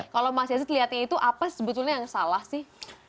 kalau mas yazid lihatnya itu apa sebetulnya yang salah sih